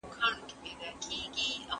لا یې ځای نه وو معلوم د کوم وطن وو